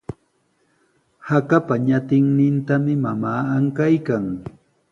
Hakapa ñatinnintami mamaa ankaykan.